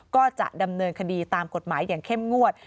ก็จะดำเนินคดีตามกฎหมายอย่างเข้มงวด